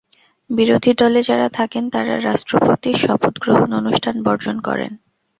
বিরোধী দলে যাঁরা থাকেন তাঁরা রাষ্ট্রপতির শপথ গ্রহণ অনুষ্ঠান বর্জন করেন।